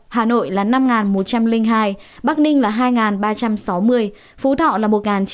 hà nội là năm một trăm linh hai bắc ninh là hai ba trăm sáu mươi phú thọ là một chín trăm linh